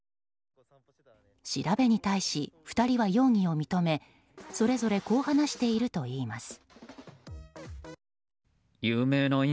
調べに対し２人は容疑を認めそれぞれこう話しているといいます。